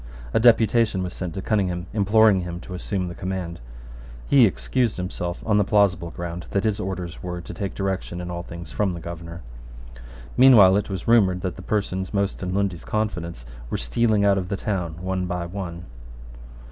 A deputation was sent to Cunningham imploring him to assume the command. He excused himself on the plausible ground that his orders were to take directions in all things from the Governor, Meanwhile it was rumoured that the persons most in Lundy's confidence were stealing out of the town one by one.